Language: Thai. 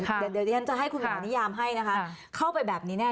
ค่ะเดี๋ยวดิฉันจะให้คุณหานิยามให้นะคะเข้าไปแบบนี้น่ะ